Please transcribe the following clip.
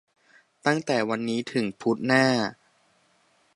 ตั้งแต่วันนี้ถึงพุธหน้า !